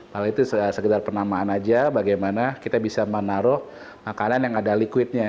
kalau itu sekedar penamaan aja bagaimana kita bisa menaruh makanan yang ada liquidnya